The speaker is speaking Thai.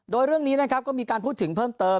โดยเรื่องนี้นะครับก็มีการพูดถึงเพิ่มเติม